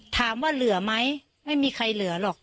ถามว่าเหลือไหมไม่มีใครเหลือหรอก